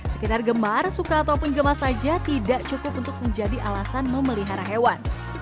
sekedar gemar suka ataupun gemas saja tidak cukup untuk menjadi alasan memelihara hewan